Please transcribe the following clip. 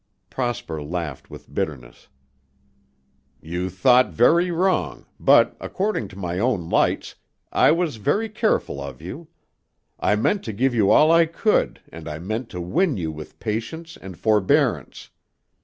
Prosper laughed with bitterness. "You thought very wrong, but, according to my own lights, I was very careful of you. I meant to give you all I could and I meant to win you with patience and forbearance.